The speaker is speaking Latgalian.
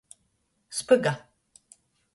Spyga.